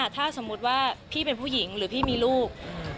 ถ้าสมมุติว่าพี่เป็นผู้หญิงหรือพี่มีลูก